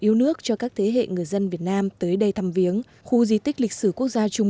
yêu nước cho các thế hệ người dân việt nam tới đây thăm viếng khu di tích lịch sử quốc gia trung